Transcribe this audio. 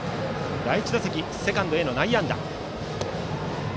第１打席、セカンドへの内野安打。